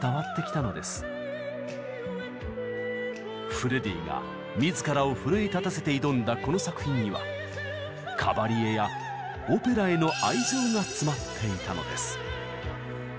フレディが自らを奮い立たせて挑んだこの作品にはカバリエやオペラへの愛情が詰まっていたのです。